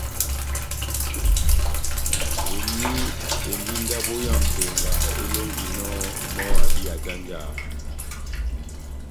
Eni endi ndabo ya Ntonga elonginɔ mɔ́ abi ajanjaha.